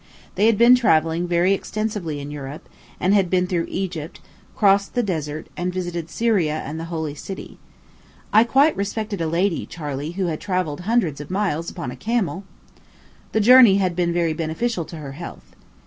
They bad been travelling very extensively in Europe, and had been through Egypt, crossed the desert, and visited Syria and the Holy City. I quite respected a lady, Charley, who had travelled hundreds of miles upon a camel. The journey had been very beneficial to her health.